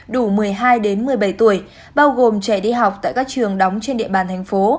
đủ một mươi hai một mươi bảy tuổi bao gồm trẻ đi học tại các trường đóng trên địa bàn thành phố